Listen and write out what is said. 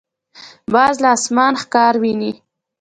باز له اسمانه ښکار ویني.